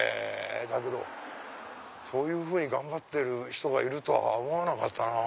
だけどそういうふうに頑張ってる人がいるとは思わなかったなぁ。